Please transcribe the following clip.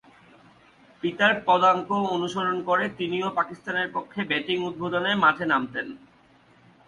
পিতার পদাঙ্ক অনুসরণ করে তিনিও পাকিস্তানের পক্ষে ব্যাটিং উদ্বোধনে মাঠে নামতেন।